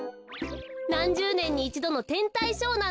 なんじゅうねんにいちどのてんたいショーなんですよ。